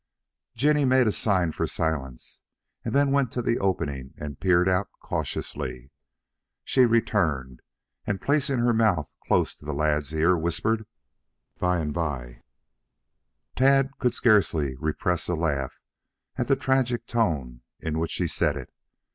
Jinny made a sign for silence, and then went to the opening and peered out cautiously. She returned, and, placing her mouth close to the lad's ear, whispered, "Bymeby." Tad could scarcely repress a laugh at the tragic tone in which she said it.